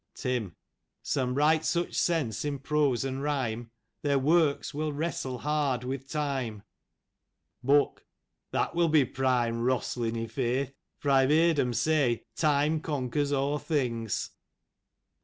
Tim :" Some write such sense in prose and rhyme, Their works will wrestle hard with Time. " Book : That'll be prime wrostlin', i'faith ; for aw've yerd um say, time conquers aw things.